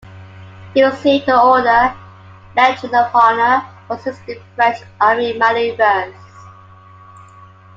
He received the Order, Legion of Honor, for assisting French Army maneuvers.